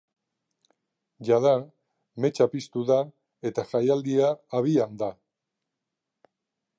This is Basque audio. Jada, metxa piztu da eta jaialdia abian da.